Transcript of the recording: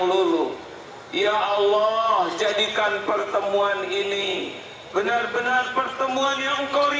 jumlah tidak boleh membuat kita ujub